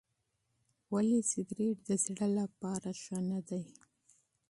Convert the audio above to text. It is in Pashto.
ولې سګریټ د زړه لپاره بد دی؟